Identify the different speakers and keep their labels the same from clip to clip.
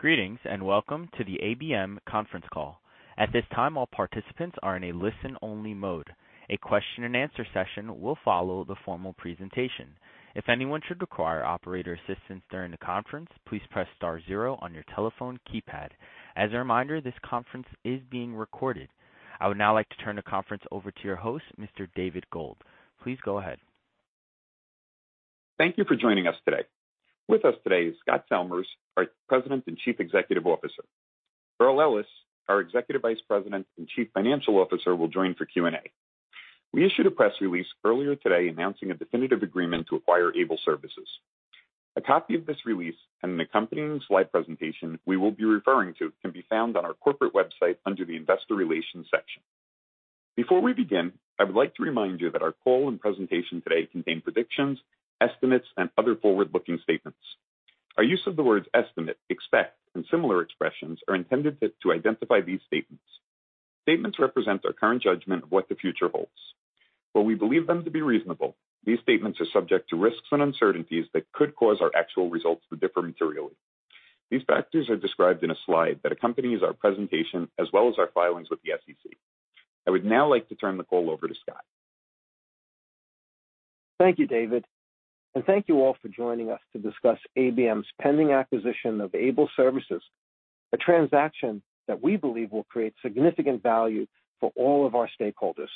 Speaker 1: Greetings welcome to the ABM conference call. At this time, all participants are in a listen-only mode. A question and answer session will follow the formal presentation. If anyone should require operator assistance during the conference, please press star zero on your telephone keypad. As a reminder, this conference is being recorded. I would now like to turn the conference over to your host, Mr. David Gold. Please go ahead.
Speaker 2: Thank you for joining us today. With us today is Scott Salmirs, our President and Chief Executive Officer. Earl Ellis, our Executive Vice President and Chief Financial Officer, will join for Q&A. We issued a press release earlier today announcing a definitive agreement to acquire ABLE Services. A copy of this release and an accompanying slide presentation we will be referring to can be found on our corporate website under the investor relations section. Before we begin, I would like to remind you that our call and presentation today contain predictions, estimates, and other forward-looking statements. Our use of the words estimate, expect, and similar expressions are intended to identify these statements. Statements represent our current judgment of what the future holds. While we believe them to be reasonable, these statements are subject to risks and uncertainties that could cause our actual results to differ materially. These factors are described in a slide that accompanies our presentation as well as our filings with the SEC. I would now like to turn the call over to Scott.
Speaker 3: Thank you David and thank you all for joining us to discuss ABM's pending acquisition of Able Services, a transaction that we believe will create significant value for all of our stakeholders.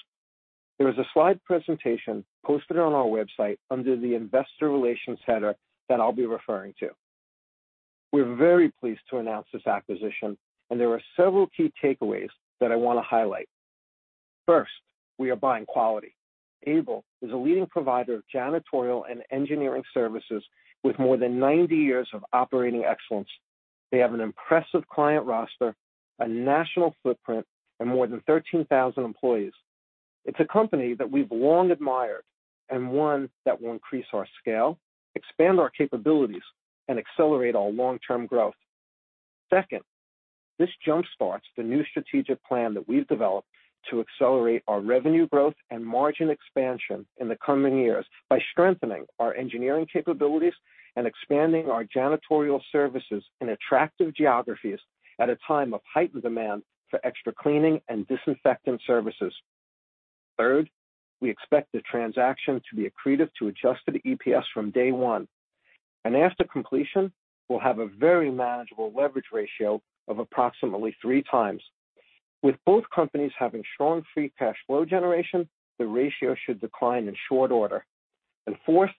Speaker 3: There is a slide presentation posted on our website under the investor relations header that I'll be referring to. We're very pleased to announce this acquisition. There are several key takeaways that I want to highlight. First, we are buying quality. Able is a leading provider of janitorial and engineering services with more than 90 years of operating excellence. They have an impressive client roster, a national footprint, and more than 13,000 employees. It's a company that we've long admired and one that will increase our scale, expand our capabilities, and accelerate our long-term growth. Second, this jumpstarts the new strategic plan that we've developed to accelerate our revenue growth and margin expansion in the coming years by strengthening our engineering capabilities and expanding our janitorial services in attractive geographies at a time of heightened demand for extra cleaning and disinfecting services. Third, we expect the transaction to be accretive to adjusted EPS from day one. After completion, we'll have a very manageable leverage ratio of approximately 3x. With both companies having strong free cash flow generation, the ratio should decline in short order. Fourth,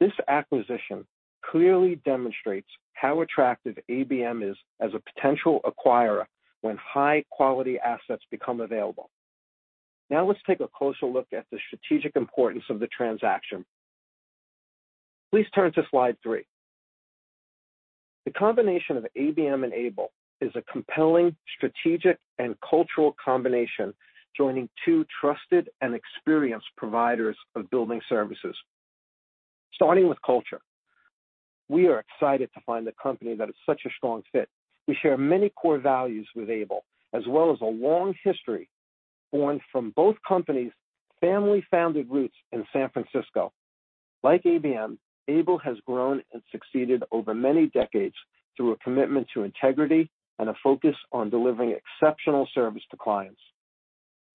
Speaker 3: this acquisition clearly demonstrates how attractive ABM is as a potential acquirer when high-quality assets become available. Let's take a closer look at the strategic importance of the transaction. Please turn to slide three. The combination of ABM and Able is a compelling strategic and cultural combination, joining two trusted and experienced providers of building services. Starting with culture, we are excited to find a company that is such a strong fit. We share many core values with Able, as well as a long history born from both companies' family-founded roots in San Francisco. Like ABM, Able has grown and succeeded over many decades through a commitment to integrity and a focus on delivering exceptional service to clients.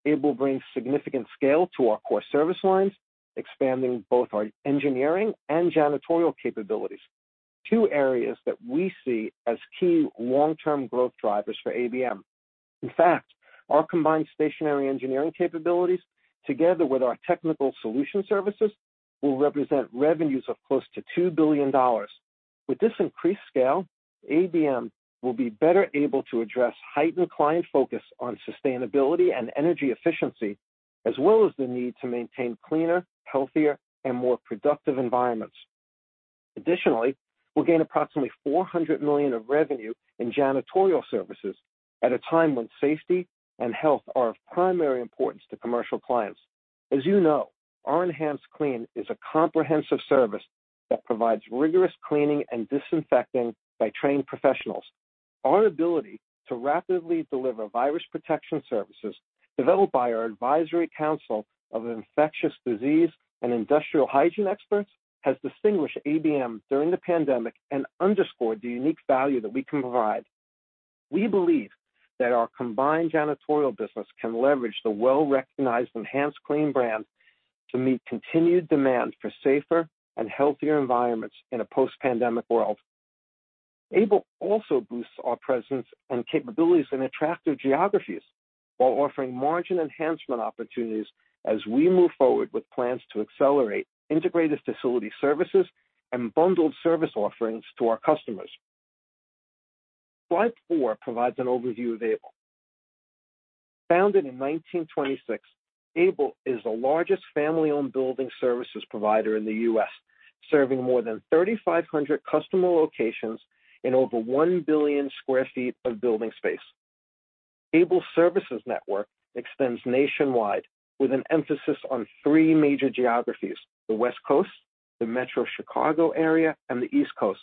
Speaker 3: Able brings significant scale to our core service lines, expanding both our engineering and janitorial capabilities. Two areas that we see as key long-term growth drivers for ABM. In fact, our combined stationary engineering capabilities, together with our Technical Solutions services, will represent revenues of close to $2 billion. With this increased scale, ABM will be better able to address heightened client focus on sustainability and energy efficiency, as well as the need to maintain cleaner, healthier, and more productive environments. Additionally, we'll gain approximately $400 million of revenue in janitorial services at a time when safety and health are of primary importance to commercial clients. As you know, our EnhancedClean is a comprehensive service that provides rigorous cleaning and disinfecting by trained professionals. Our ability to rapidly deliver virus protection services developed by our advisory council of infectious disease and industrial hygiene experts has distinguished ABM during the pandemic and underscored the unique value that we can provide. We believe that our combined janitorial business can leverage the well-recognized EnhancedClean brand to meet continued demand for safer and healthier environments in a post-pandemic world. Able also boosts our presence and capabilities in attractive geographies while offering margin enhancement opportunities as we move forward with plans to accelerate integrated facility services and bundled service offerings to our customers. Slide four provides an overview of Able. Founded in 1926, Able is the largest family-owned building services provider in the U.S., serving more than 3,500 customer locations in over 1 billion sq ft of building space. Able's services network extends nationwide with an emphasis on three major geographies, the West Coast, the Metro Chicago area, and the East Coast.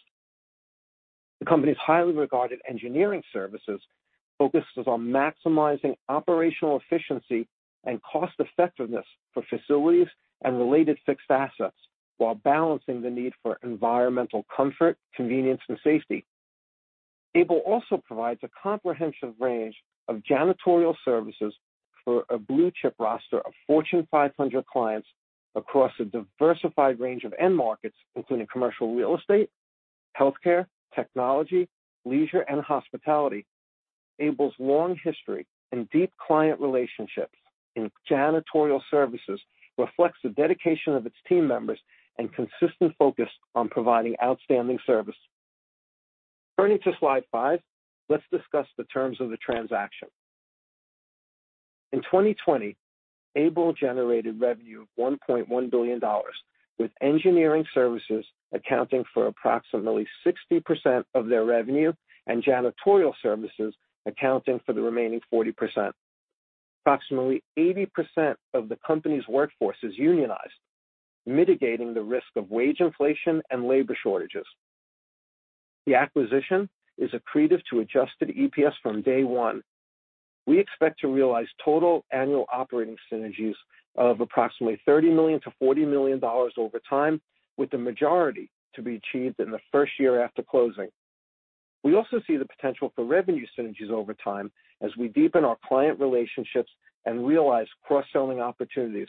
Speaker 3: The company's highly regarded engineering services focuses on maximizing operational efficiency and cost effectiveness for facilities and related fixed assets while balancing the need for environmental comfort, convenience, and safety. ABLE also provides a comprehensive range of janitorial services for a blue-chip roster of Fortune 500 clients across a diversified range of end markets, including commercial real estate, healthcare, technology, leisure, and hospitality. Able's long history and deep client relationships in janitorial services reflects the dedication of its team members and consistent focus on providing outstanding service. Turning to slide five, let's discuss the terms of the transaction. In 2020, ABLE generated revenue of $1.1 billion, with engineering services accounting for approximately 60% of their revenue and janitorial services accounting for the remaining 40%. Approximately 80% of the company's workforce is unionized, mitigating the risk of wage inflation and labor shortages. The acquisition is accretive to adjusted EPS from day one. We expect to realize total annual operating synergies of approximately $30 million-$40 million over time, with the majority to be achieved in the first year after closing. We also see the potential for revenue synergies over time as we deepen our client relationships and realize cross-selling opportunities.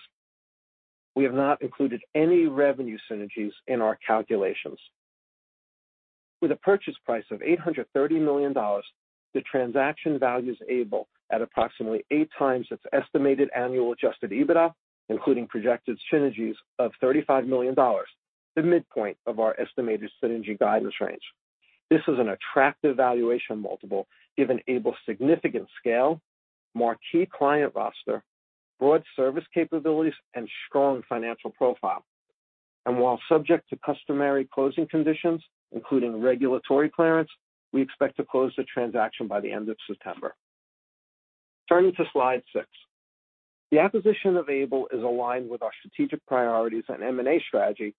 Speaker 3: We have not included any revenue synergies in our calculations. With a purchase price of $830 million, the transaction values ABLE at approximately 8x its estimated annual adjusted EBITDA, including projected synergies of $35 million, the midpoint of our estimated synergy guidance range. This is an attractive valuation multiple given ABLE's significant scale, marquee client roster, broad service capabilities, and strong financial profile. While subject to customary closing conditions, including regulatory clearance, we expect to close the transaction by the end of September. Turning to slide six. The acquisition of ABLE is aligned with our strategic priorities and M&A strategy,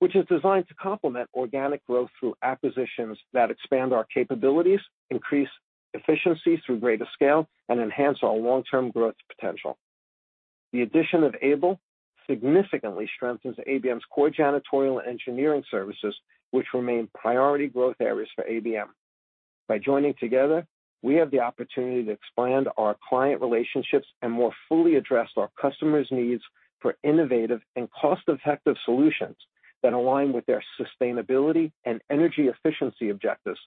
Speaker 3: which is designed to complement organic growth through acquisitions that expand our capabilities, increase efficiency through greater scale, and enhance our long-term growth potential. The addition of ABLE significantly strengthens ABM's core janitorial and engineering services, which remain priority growth areas for ABM. By joining together, we have the opportunity to expand our client relationships and more fully address our customers' needs for innovative and cost-effective solutions that align with their sustainability and energy efficiency objectives.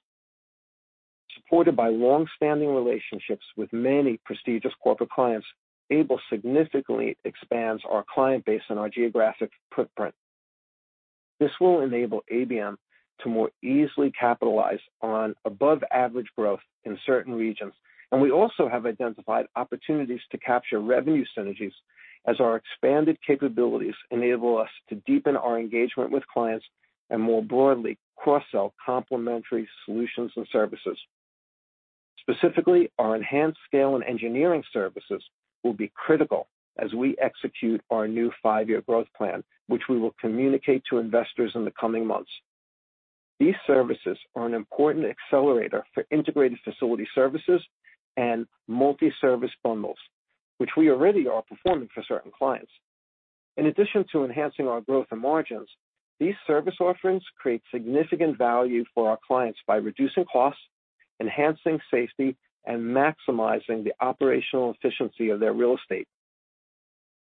Speaker 3: Supported by long-standing relationships with many prestigious corporate clients, ABLE significantly expands our client base and our geographic footprint. This will enable ABM to more easily capitalize on above average growth in certain regions, and we also have identified opportunities to capture revenue synergies as our expanded capabilities enable us to deepen our engagement with clients and, more broadly, cross-sell complementary solutions and services. Specifically, our enhanced scale in engineering services will be critical as we execute our new 5-year growth plan, which we will communicate to investors in the coming months. These services are an important accelerator for integrated facility services and multi-service bundles, which we already are performing for certain clients. In addition to enhancing our growth and margins, these service offerings create significant value for our clients by reducing costs, enhancing safety, and maximizing the operational efficiency of their real estate.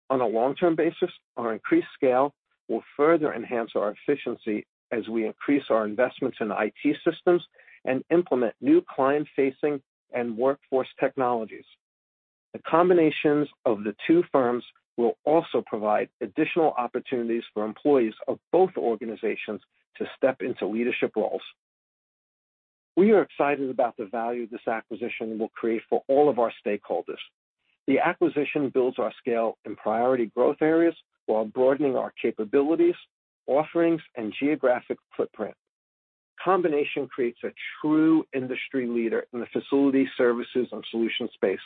Speaker 3: On a long-term basis, our increased scale will further enhance our efficiency as we increase our investments in IT systems and implement new client-facing and workforce technologies. The combinations of the two firms will also provide additional opportunities for employees of both organizations to step into leadership roles. We are excited about the value this acquisition will create for all of our stakeholders. The acquisition builds our scale in priority growth areas while broadening our capabilities, offerings, and geographic footprint. The combination creates a true industry leader in the facility services and solutions space.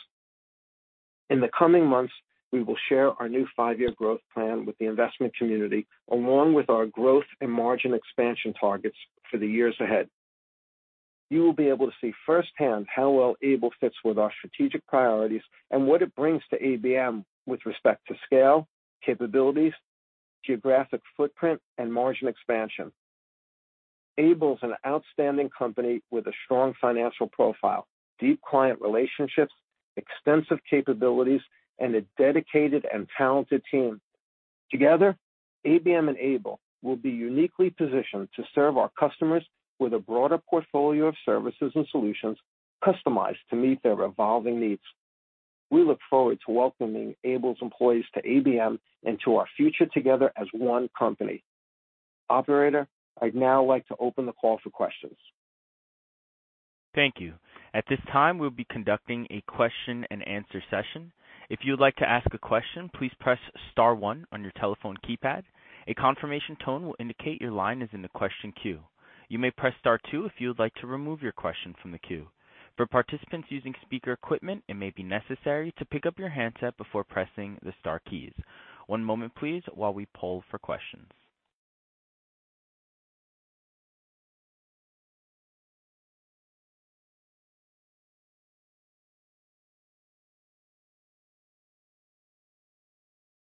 Speaker 3: In the coming months, we will share our new five-year growth plan with the investment community, along with our growth and margin expansion targets for the years ahead. You will be able to see firsthand how well ABLE fits with our strategic priorities and what it brings to ABM with respect to scale, capabilities, geographic footprint, and margin expansion. ABLE is an outstanding company with a strong financial profile, deep client relationships, extensive capabilities, and a dedicated and talented team. Together, ABM and ABLE will be uniquely positioned to serve our customers with a broader portfolio of services and solutions customized to meet their evolving needs. We look forward to welcoming ABLE's employees to ABM and to our future together as one company. Operator, I'd now like to open the call for questions.
Speaker 1: Thank you. At this time we'll be conducting a question and answer session. If you'd like to ask a question please press star one on your telephone keypad, a confirmation tone will indicate your line is in the question queue. You may press star two if you'd like to remove your question from the queue. The participants using speaker equipment it maybe necessary to pick up your handset before pressing the star key. One moment please while we poll for questions.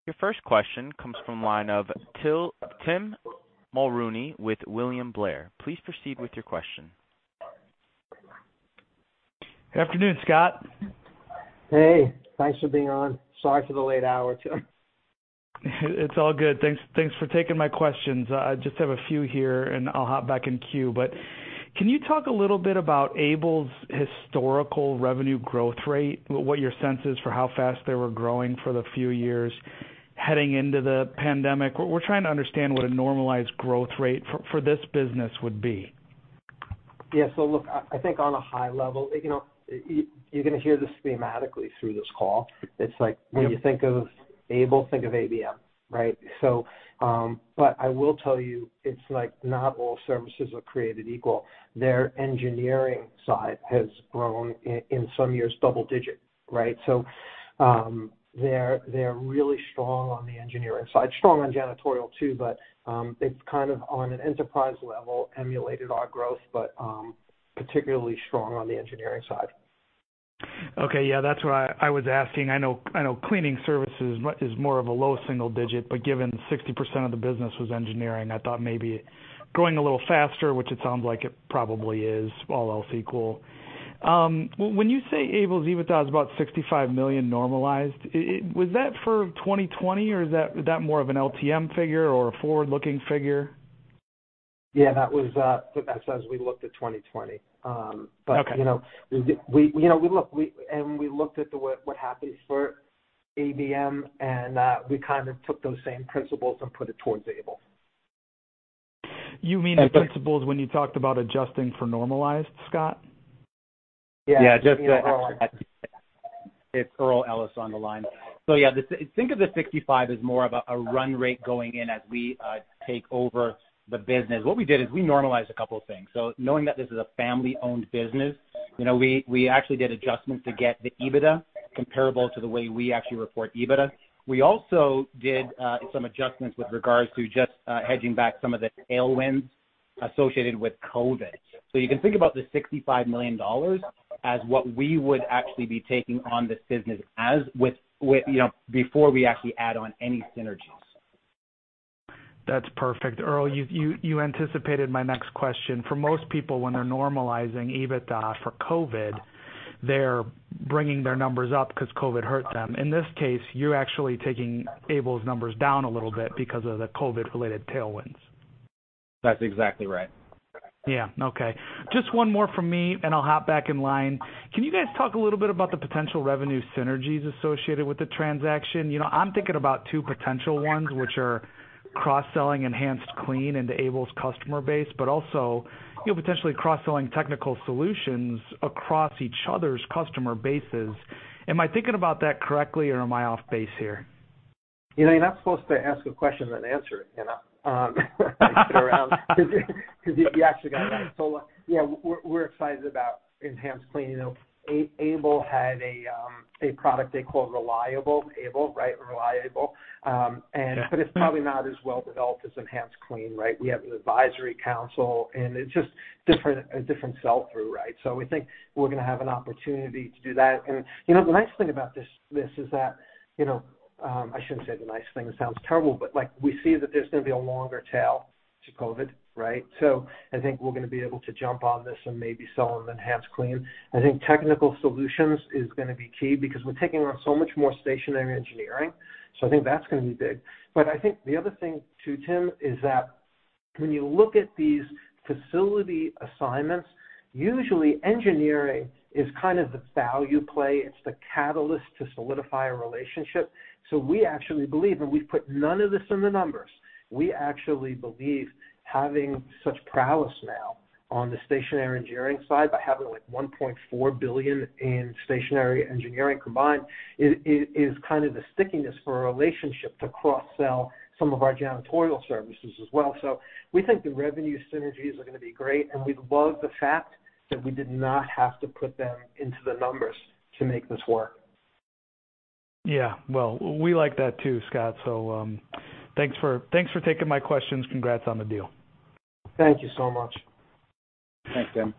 Speaker 1: Your first question comes from line of Tim Mulrooney with William Blair. Please proceed with your question.
Speaker 4: Good afternoon Scott.
Speaker 3: Hey thanks for being on. Sorry for the late hour Tim.
Speaker 4: It's all good. Thanks for taking my questions. I just have a few here, and I'll hop back in queue. Can you talk a little bit about ABLE's historical revenue growth rate, what your sense is for how fast they were growing for the few years heading into the pandemic? We're trying to understand what a normalized growth rate for this business would be.
Speaker 3: Yeah. Look, I think on a high level, you're going to hear this thematically through this call. It's like when you think of ABLE, think of ABM, right? I will tell you, it's like not all services are created equal. Their engineering side has grown, in some years, double-digit, right? They're really strong on the engineering side. Strong on janitorial too, but it's kind of on an enterprise level, emulated our growth, but particularly strong on the engineering side.
Speaker 4: Okay. Yeah, that's why I was asking. I know cleaning services is more of a low single digit, but given 60% of the business was engineering, I thought maybe growing a little faster, which it sounds like it probably is, all else equal. When you say ABLE's EBITDA is about $65 million normalized, was that for 2020 or is that more of an LTM figure or a forward-looking figure?
Speaker 3: Yeah, that's as we looked at 2020.
Speaker 4: Okay.
Speaker 3: We looked at what happens for ABM and we kind of took those same principles and put it towards ABLE.
Speaker 4: You mean the principles when you talked about adjusting for normalized Scott?
Speaker 3: Yeah.
Speaker 5: Just to add to that. It's Earl Ellis on the line. Think of the $65 as more of a run rate going in as we take over the business. What we did is we normalized a couple of things. Knowing that this is a family-owned business, we actually did adjustments to get the EBITDA comparable to the way we actually report EBITDA. We also did some adjustments with regards to just hedging back some of the tailwinds associated with COVID. You can think about the $65 million as what we would actually be taking on this business before we actually add on any synergies.
Speaker 4: That's perfect. Earl you anticipated my next question. For most people, when they're normalizing EBITDA for COVID, they're bringing their numbers up because COVID hurt them. In this case, you're actually taking ABLE's numbers down a little bit because of the COVID-related tailwinds.
Speaker 5: That's exactly right.
Speaker 4: Yeah. Okay. Just one more from me, and I'll hop back in line. Can you guys talk a little bit about the potential revenue synergies associated with the transaction? I'm thinking about two potential ones, which are cross-selling EnhancedClean into ABLE's customer base, but also potentially cross-selling Technical Solutions across each other's customer bases. Am I thinking about that correctly or am I off base here?
Speaker 3: You're not supposed to ask a question, then answer it. You actually got it right. Yeah, we're excited about EnhancedClean. ABLE had a product they call ReliAble ABLE, right? Reliable.
Speaker 4: Yeah.
Speaker 3: It's probably not as well-developed as EnhancedClean, right? We have an advisory council and it's just a different sell-through, right? We think we're going to have an opportunity to do that. The nice thing about this is that, I shouldn't say the nice thing, it sounds terrible, but we see that there's going to be a longer tail to COVID, right? I think we're going to be able to jump on this and maybe sell them EnhancedClean. I think Technical Solutions is going to be key because we're taking on so much more stationary engineering. I think that's going to be big. I think the other thing too, Tim, is that when you look at these facility assignments, usually engineering is kind of the value play. It's the catalyst to solidify a relationship. We actually believe, and we've put none of this in the numbers. We actually believe having such prowess now on the stationary engineering side by having like $1.4 billion in stationary engineering combined is kind of the stickiness for a relationship to cross-sell some of our janitorial services as well. We think the revenue synergies are going to be great, and we love the fact that we did not have to put them into the numbers to make this work.
Speaker 4: Yeah. Well, we like that too Scott Salmirs. Thanks for taking my questions. Congrats on the deal.
Speaker 3: Thank you so much.
Speaker 5: Thanks Tim.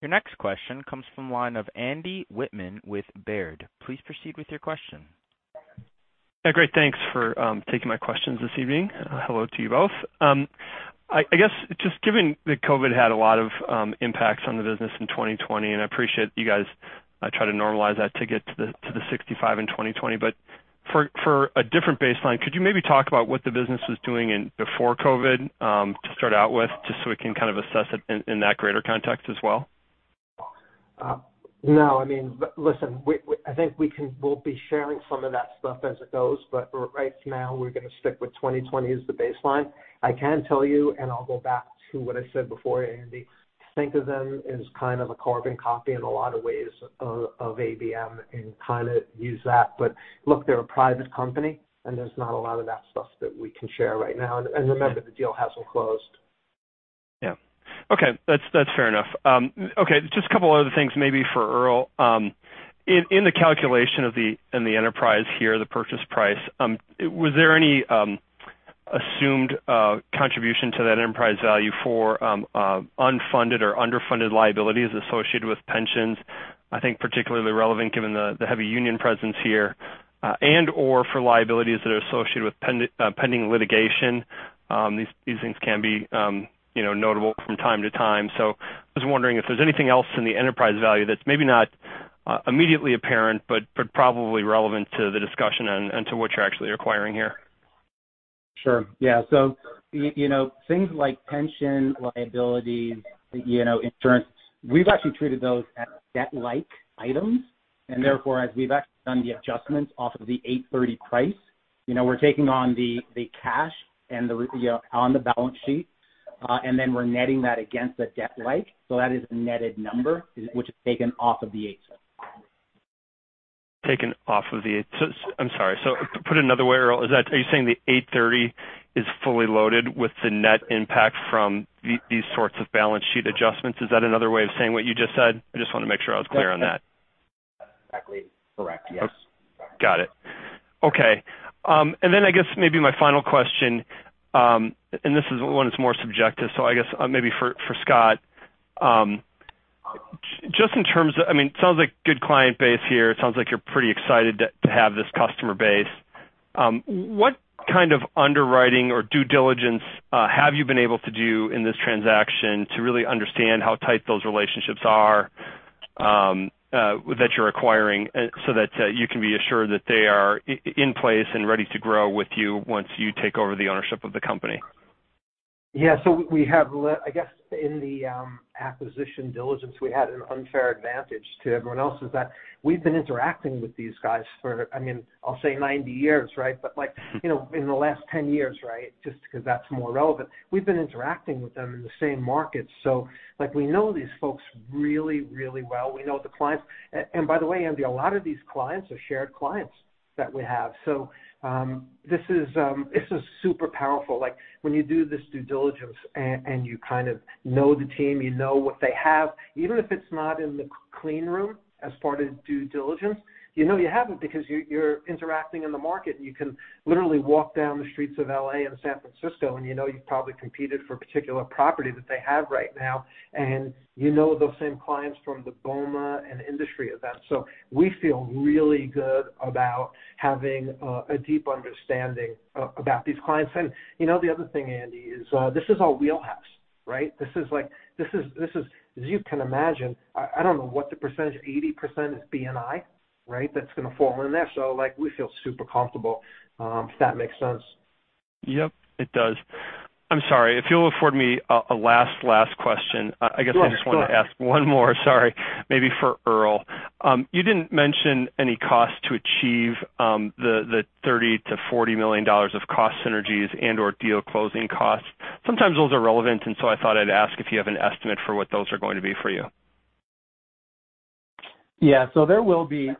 Speaker 1: Your next question comes from the line of Andy Wittmann with Baird. Please proceed with your question.
Speaker 6: Great. Thanks for taking my questions this evening. Hello to you both. I guess just given that COVID had a lot of impacts on the business in 2020, and I appreciate you guys try to normalize that to get to the 65 in 2020, but for a different baseline, could you maybe talk about what the business was doing before COVID to start out with, just so we can kind of assess it in that greater context as well?
Speaker 3: No, listen, I think we'll be sharing some of that stuff as it goes, but right now we're going to stick with 2020 as the baseline. I can tell you and I'll go back to what I said before, Andrew Wittmann, think of them as kind of a carbon copy in a lot of ways of ABM and kind of use that. Look, they're a private company and there's not a lot of that stuff that we can share right now. Remember, the deal hasn't closed.
Speaker 6: Yeah. Okay. That's fair enough. Okay, just a couple other things maybe for Earl. In the calculation of the enterprise here, the purchase price, was there any assumed contribution to that enterprise value for unfunded or underfunded liabilities associated with pensions? I think particularly relevant given the heavy union presence here, and/or for liabilities that are associated with pending litigation. These things can be notable from time to time. I was wondering if there's anything else in the enterprise value that's maybe not immediately apparent, but probably relevant to the discussion and to what you're actually acquiring here.
Speaker 5: Sure. Yeah. Things like pension liabilities, insurance, we've actually treated those as debt-like items.
Speaker 6: Yeah.
Speaker 5: Therefore, as we've actually done the adjustments off of the $830 million price, we're taking on the cash on the balance sheet. Then we're netting that against the debt-like, that is a netted number, which is taken off of the $830 million.
Speaker 6: I'm sorry. Put it another way, Earl. Are you saying the $830 million is fully loaded with the net impact from these sorts of balance sheet adjustments? Is that another way of saying what you just said? I just want to make sure I was clear on that.
Speaker 5: That's exactly correct. Yes.
Speaker 6: Got it. Okay. I guess maybe my final question, and this one is more subjective, so I guess maybe for Scott. It sounds like good client base here. It sounds like you're pretty excited to have this customer base. What kind of underwriting or due diligence have you been able to do in this transaction to really understand how tight those relationships are that you're acquiring so that you can be assured that they are in place and ready to grow with you once you take over the ownership of the company?
Speaker 3: Yeah. I guess in the acquisition diligence, we had an unfair advantage to everyone else is that we've been interacting with these guys for, I'll say 90 years, right? Like, in the last 10 years. Just because that's more relevant. We've been interacting with them in the same markets. We know these folks really, really well. We know the clients. By the way, Andy, a lot of these clients are shared clients that we have. This is super powerful, when you do this due diligence and you kind of know the team, you know what they have, even if it's not in the clean room as part of due diligence, you know you have it because you're interacting in the market and you can literally walk down the streets of L.A. and San Francisco, and you know you've probably competed for a particular property that they have right now. You know those same clients from the BOMA and industry events. We feel really good about having a deep understanding about these clients. The other thing, Andrew Wittmann, is this is our wheelhouse, right? As you can imagine, I don't know what the percentage, 80% is B&I, right? That's going to fall in there. We feel super comfortable. If that makes sense.
Speaker 6: Yep, it does. I'm sorry, if you'll afford me a last question, I guess I just want to ask one more. Sorry. Maybe for Earl. You didn't mention any cost to achieve the $30 million-$40 million of cost synergies and/or deal closing costs. Sometimes those are relevant, I thought I'd ask if you have an estimate for what those are going to be for you.
Speaker 5: Yeah. There will be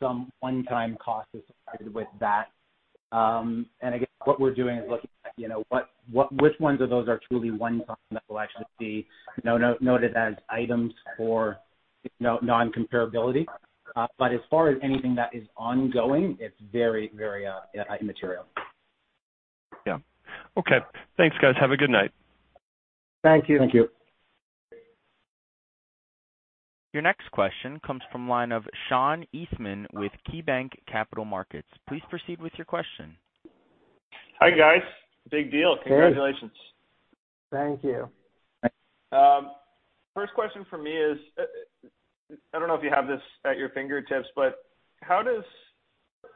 Speaker 5: some one-time costs associated with that. Again, what we're doing is looking at which ones of those are truly one-time that will actually be noted as items for non-comparability. As far as anything that is ongoing it's very immaterial.
Speaker 6: Yeah. Okay. Thanks guys. Have a good night.
Speaker 3: Thank you.
Speaker 5: Thank you.
Speaker 1: Your next question comes from line of Sean Eastman with KeyBanc Capital Markets. Please proceed with your question.
Speaker 7: Hi guys. Big deal. Congratulations.
Speaker 3: Thank you.
Speaker 5: Thanks.
Speaker 7: First question from me is, I don't know if you have this at your fingertips, but how does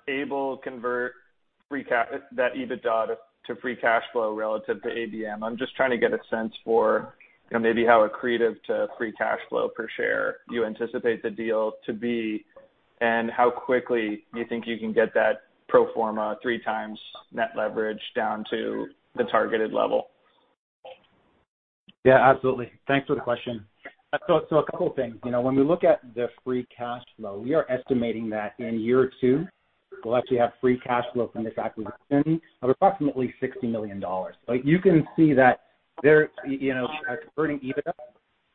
Speaker 7: ABLE convert that EBITDA to free cash flow relative to ABM? I'm just trying to get a sense for maybe how accretive to free cash flow per share you anticipate the deal to be, and how quickly you think you can get that pro forma 3x net leverage down to the targeted level.
Speaker 5: Yeah absolutely. Thanks for the question. A couple of things. When we look at the free cash flow, we are estimating that in year two, we'll actually have free cash flow from this acquisition of approximately $60 million. You can see that converting EBITDA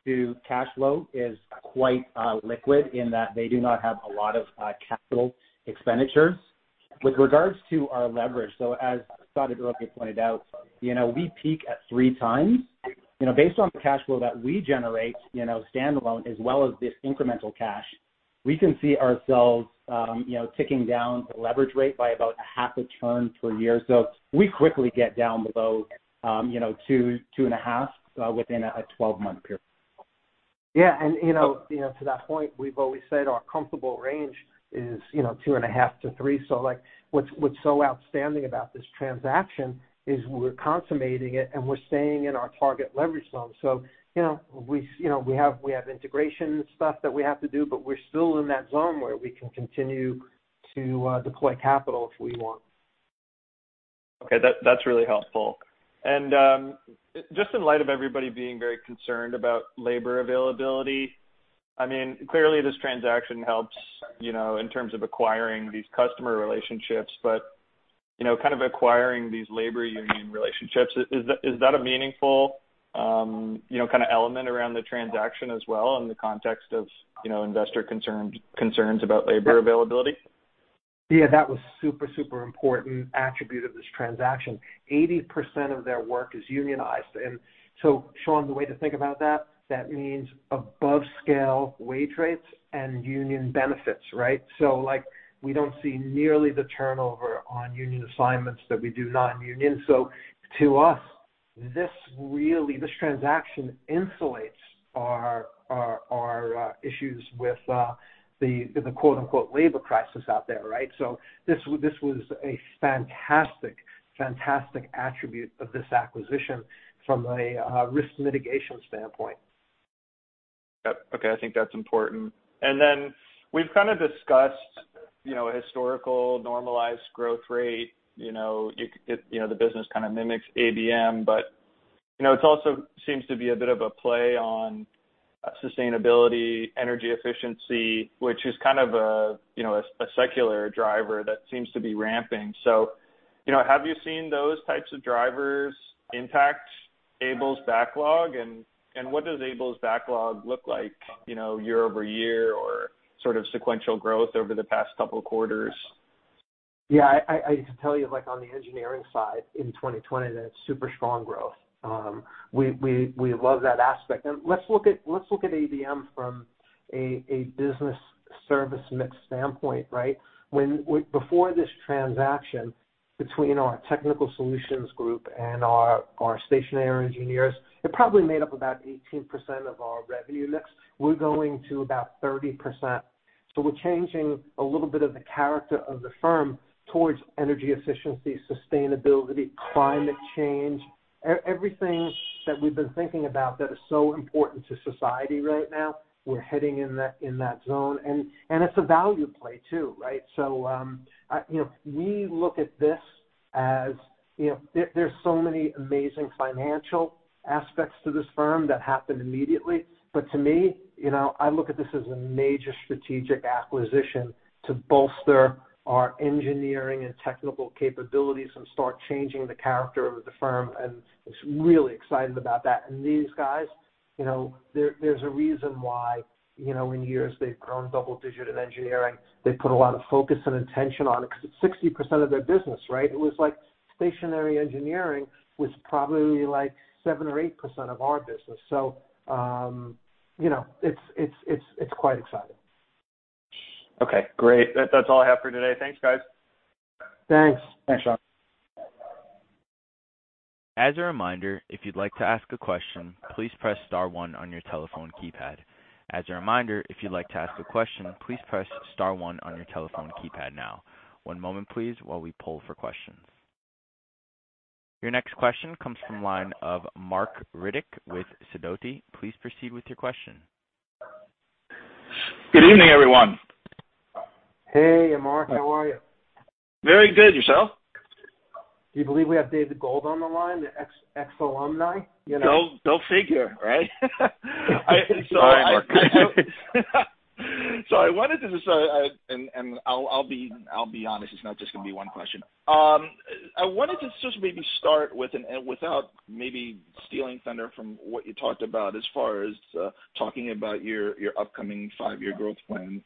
Speaker 5: to cash flow is quite liquid in that they do not have a lot of capital expenditures. With regards to our leverage, as Scott adequately pointed out, we peak at 3x. Based on the cash flow that we generate standalone as well as this incremental cash, we can see ourselves ticking down the leverage rate by about a half a turn per year. We quickly get down below 2.5x within a 12-month period.
Speaker 3: To that point, we've always said our comfortable range is 2.5x-3x. What's so outstanding about this transaction is we're consummating it, and we're staying in our target leverage zone. We have integration stuff that we have to do, but we're still in that zone where we can continue to deploy capital if we want.
Speaker 7: Okay. That's really helpful. Just in light of everybody being very concerned about labor availability, clearly this transaction helps in terms of acquiring these customer relationships, but kind of acquiring these labor union relationships. Is that a meaningful kind of element around the transaction as well in the context of investor concerns about labor availability?
Speaker 3: Yeah, that was super important attribute of this transaction. 80% of their work is unionized. Sean, the way to think about that means above scale wage rates and union benefits, right? We don't see nearly the turnover on union assignments that we do non-union. To us, this transaction insulates our issues with the quote, unquote, "labor crisis" out there, right? This was a fantastic attribute of this acquisition from a risk mitigation standpoint.
Speaker 7: Yep. Okay. I think that's important. We've kind of discussed historical normalized growth rate. The business kind of mimics ABM, but it also seems to be a bit of a play on sustainability, energy efficiency, which is kind of a secular driver that seems to be ramping. Have you seen those types of drivers impact ABLE's backlog? What does ABLE's backlog look like year-over-year or sort of sequential growth over the past couple of quarters?
Speaker 3: Yeah, I tell you like on the engineering side in 2020 that it's super strong growth. We love that aspect. Let's look at ABM from a business service mix standpoint, right? Before this transaction between our Technical Solutions group and our stationary engineers, it probably made up about 18% of our revenue mix. We're going to about 30%. We're changing a little bit of the character of the firm towards energy efficiency, sustainability, climate change. Everything that we've been thinking about that is so important to society right now, we're heading in that zone. It's a value play too, right? We look at this as, there's so many amazing financial aspects to this firm that happen immediately, but to me, I look at this as a major strategic acquisition to bolster our engineering and technical capabilities and start changing the character of the firm, and just really excited about that. These guys, there's a reason why in years they've grown double-digit in engineering. They put a lot of focus and attention on it because it's 60% of their business, right? It was like stationary engineering was probably like 7% or 8% of our business. It's quite exciting.
Speaker 7: Okay great. That's all I have for today. Thanks guys.
Speaker 3: Thanks.
Speaker 5: Thanks Sean.
Speaker 1: As a reminder, if you'd like to ask a question, please press star one on your telephone keypad. As a reminder, if you'd like to ask a question, please press star one on your telephone keypad now. One moment please, while we poll for questions. Your next question comes from line of Marc Riddick with Sidoti. Please proceed with your question.
Speaker 8: Good evening everyone.
Speaker 3: Hey Marc, how are you?
Speaker 8: Very good. Yourself?
Speaker 3: Do you believe we have David Gold on the line the ex-alumni?
Speaker 8: Go figure, right?
Speaker 3: Sorry Marc.
Speaker 8: I'll be honest it's not just going to be one question. I wanted to just maybe start with, and without maybe stealing thunder from what you talked about as far as talking about your upcoming five-year growth plan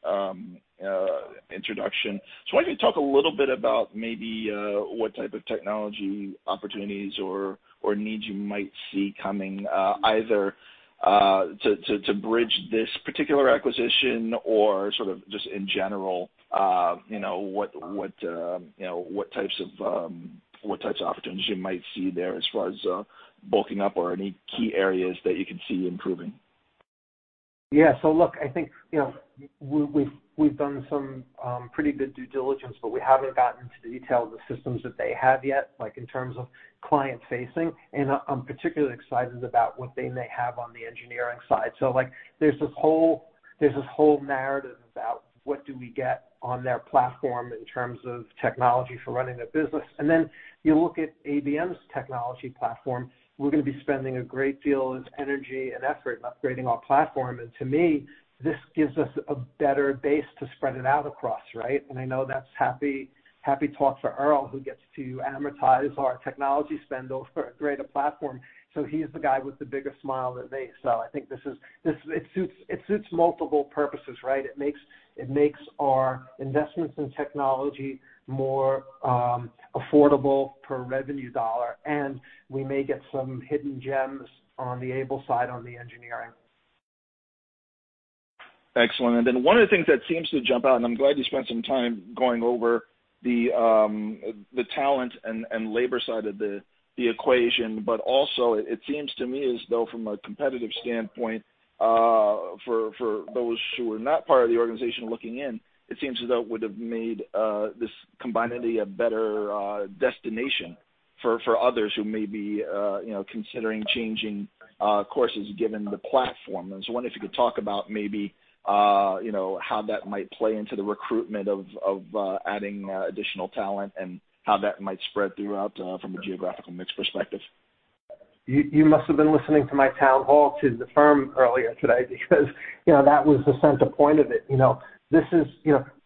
Speaker 8: introduction. Why don't you talk a little bit about maybe what type of technology opportunities or needs you might see coming, either to bridge this particular acquisition or sort of just in general, what types of opportunities you might see there as far as bulking up or any key areas that you can see improving?
Speaker 3: Yeah. Look, I think we've done some pretty good due diligence, but we haven't gotten to the details of the systems that they have yet, like in terms of client facing. I'm particularly excited about what they may have on the engineering side. Like there's this whole narrative about what do we get on their platform in terms of technology for running their business. You look at ABM's technology platform. We're going to be spending a great deal of energy and effort in upgrading our platform. To me, this gives us a better base to spread it out across, right? I know that's happy talk for Earl, who gets to amortize our technology spend over a greater platform. He's the guy with the biggest smile of the day. I think it suits multiple purposes, right? It makes our investments in technology more affordable per revenue dollar, and we may get some hidden gems on the ABLE side on the engineering.
Speaker 8: Excellent. One of the things that seems to jump out, and I'm glad you spent some time going over the talent and labor side of the equation, but also it seems to me as though from a competitive standpoint, for those who are not part of the organization looking in, it seems as though it would've made this combined entity a better destination for others who may be considering changing courses given the platform. I was wondering if you could talk about maybe how that might play into the recruitment of adding additional talent and how that might spread throughout, from a geographical mix perspective?
Speaker 3: You must have been listening to my town hall to the firm earlier today because that was the center point of it.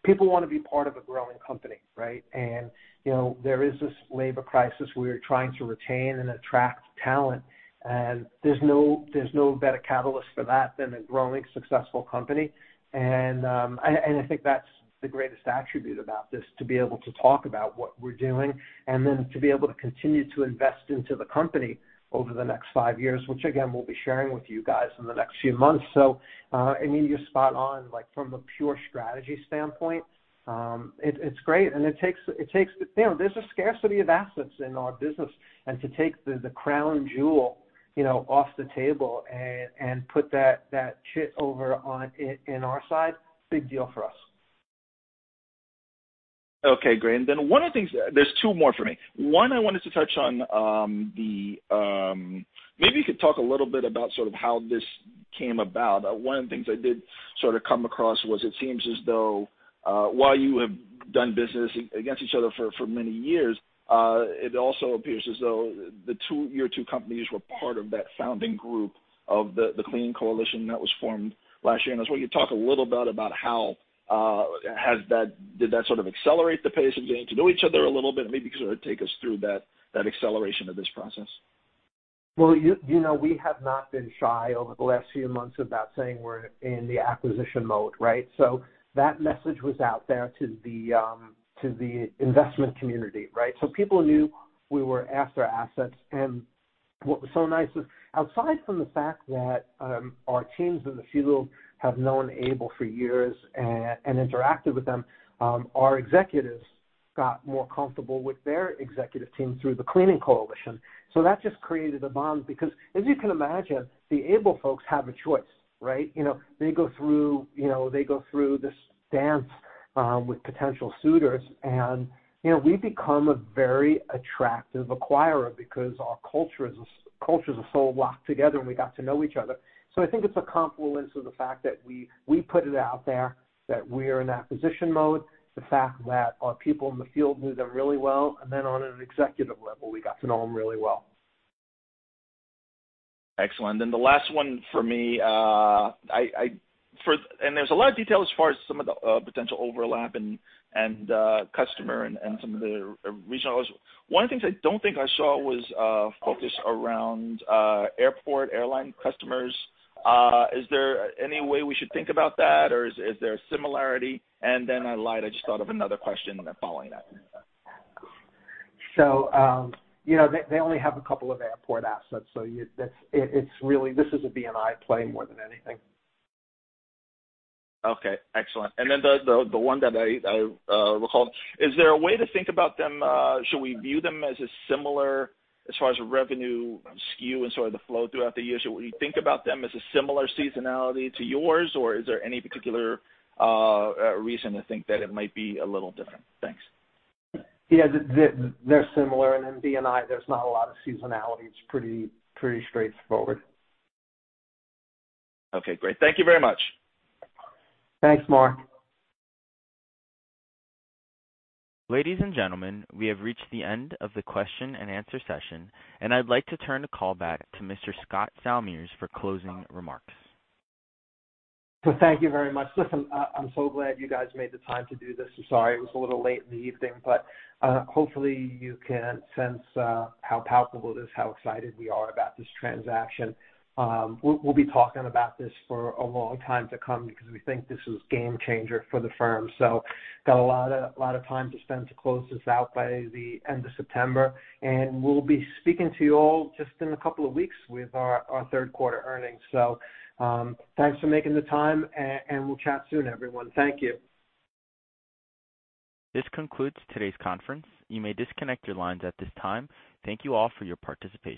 Speaker 3: People want to be part of a growing company, right? There is this labor crisis. We are trying to retain and attract talent, and there's no better catalyst for that than a growing successful company. I think that's the greatest attribute about this, to be able to talk about what we're doing, and then to be able to continue to invest into the company over the next five years, which again, we'll be sharing with you guys in the next few months. I mean, you're spot on. From the pure strategy standpoint, it's great. There's a scarcity of assets in our business, and to take the crown jewel off the table and put that chip over in our side, big deal for us.
Speaker 8: Okay, great. There's two more for me. One, I wanted to touch on, maybe you could talk a little bit about how this came about. One of the things I did sort of come across was it seems as though, while you have done business against each other for many years, it also appears as though your two companies were part of that founding group of the Cleaning Coalition that was formed last year. Will you talk a little bit about how did that sort of accelerate the pace of getting to know each other a little bit? Maybe can sort of take us through that acceleration of this process.
Speaker 3: Well, we have not been shy over the last few months about saying we're in the acquisition mode, right? That message was out there to the investment community, right? People knew we were after assets. What was so nice is, outside from the fact that our teams in the field have known ABLE for years and interacted with them, our executives got more comfortable with their executive team through the Cleaning Coalition. That just created a bond because, as you can imagine, the ABLE folks have a choice, right? They go through this dance with potential suitors, and we become a very attractive acquirer because our cultures are so locked together and we got to know each other. I think it's a confluence of the fact that we put it out there that we are in acquisition mode, the fact that our people in the field knew them really well, and then on an executive level, we got to know them really well.
Speaker 8: Excellent. The last one for me. There's a lot of detail as far as some of the potential overlap and customer and some of the regional. One of the things I don't think I saw was a focus around airport airline customers. Is there any way we should think about that, or is there a similarity? I lied, I just thought of another question, and I'm following that.
Speaker 3: They only have a couple of airport assets. This is a B&I play more than anything.
Speaker 8: Okay excellent. The one that I recalled, is there a way to think about them? Should we view them as a similar as far as revenue skew and sort of the flow throughout the year? Should we think about them as a similar seasonality to yours, or is there any particular reason to think that it might be a little different? Thanks.
Speaker 3: Yeah. They're similar. In B&I, there's not a lot of seasonality. It's pretty straightforward.
Speaker 8: Okay great. Thank you very much.
Speaker 3: Thanks Marc.
Speaker 1: Ladies and gentlemen, we have reached the end of the question and answer session, and I'd like to turn the call back to Mr. Scott Salmirs for closing remarks.
Speaker 3: Thank you very much. Listen, I'm so glad you guys made the time to do this. I'm sorry it was a little late in the evening, but hopefully you can sense how palpable it is, how excited we are about this transaction. We'll be talking about this for a long time to come because we think this is game changer for the firm. Got a lot of time to spend to close this out by the end of September, and we'll be speaking to you all just in a couple of weeks with our third quarter earnings. Thanks for making the time, and we'll chat soon, everyone. Thank you.
Speaker 1: This concludes todays conference. You may disconnect your lines at this time. Thank you all for your participation.